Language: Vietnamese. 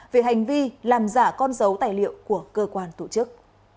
về hành vi làm giả con dấu tài liệu của cơ quan tổ chức